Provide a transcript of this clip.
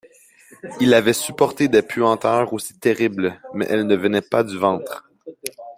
Il avait supporté des puanteurs aussi terribles ; mais elles ne venaient pas du ventre.